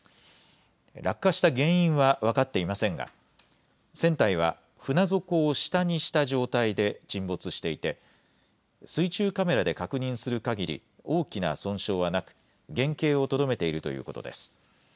落下した原因は分かっていませんが船体は船底を下にした状態で沈没していて水中カメラで確認するかぎり大きな損傷はなく原形をとどめているということです。